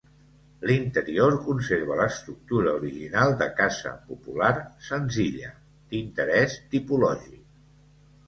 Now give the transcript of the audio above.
L'interior conserva l'estructura original de casa popular senzilla, d'interès tipològic.